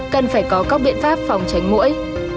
cần phải có các biện pháp phòng tránh mũi